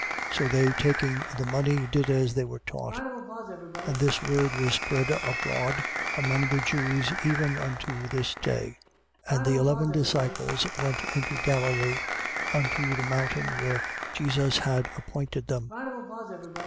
28:15. So they taking the money, did as they were taught: and this word was spread abroad among the Jews even unto this day. 28:16. And the eleven disciples went into Galilee, unto the mountain where Jesus had appointed them.